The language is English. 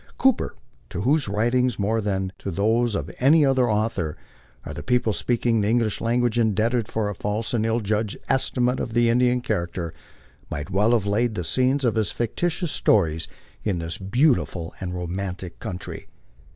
Cooper, to whose writings more than to those of any other author are the people speaking the English language indebted for a false and ill judged estimate of the Indian character, might well have laid the scenes of his fictitious stories in this beautiful and romantic country.